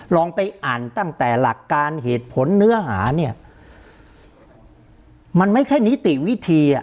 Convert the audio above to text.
ลองไปอ่านตั้งแต่หลักการเหตุผลเนื้อหาเนี่ยมันไม่ใช่นิติวิธีอ่ะ